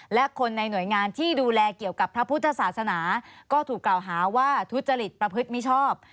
และคนในหน่วยงานที่ดูแลเกี่ยวกับพระพุทธศาสนาก็ถูกกล่าวหาว่าทุจริตประพฤติมิชอบ